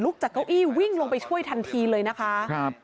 จากเก้าอี้วิ่งลงไปช่วยทันทีเลยนะคะครับ